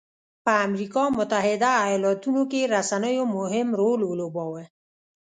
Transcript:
په امریکا متحده ایالتونو کې رسنیو مهم رول ولوباوه.